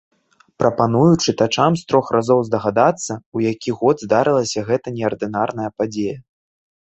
Прапаную чытачам з трох разоў здагадацца, у які год здарылася гэта неардынарная падзея.